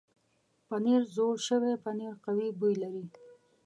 پنېر زوړ شوی پنېر قوي بوی لري.